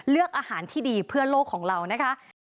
เลือกอาหารที่ดีเพื่อโลกของเรานะคะ